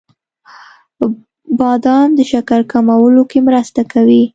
• بادام د شکر کمولو کې مرسته کوي.